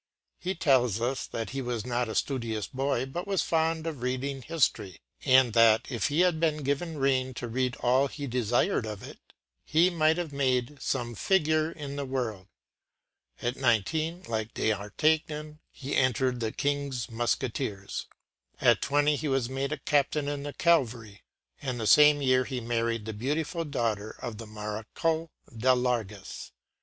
He tells us that he was not a studious boy, but was fond of reading history; and that if he had been given rein to read all he desired of it, he might have made “some figure in the world.” At nineteen, like D’Artagnan, he entered the King’s Musketeers. At twenty he was made a captain in the cavalry; and the same year he married the beautiful daughter of the Marechal de Larges.